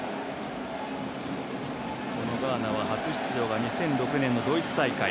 ガーナは初出場が２００６年のドイツ大会。